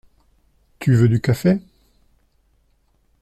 Tu veux du café ?